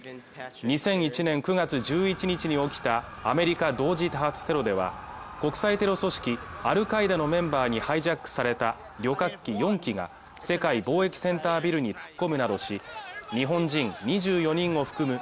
２００１年９月１１日に起きたアメリカ同時多発テロでは国際テロ組織アルカイダのメンバーにハイジャックされた旅客機４機が世界貿易センタービルに突っ込むなどし日本人２４人を含む